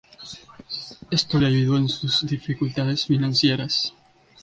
Esto le ayudó en sus dificultades financieras.